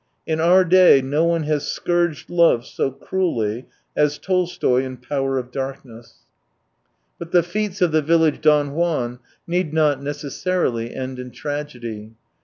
In our day no one has scourged love so cruelly as Tolstoy in Power of Darkness. io6 But the feats of the village Don Juan need not necessarily end in tragedy.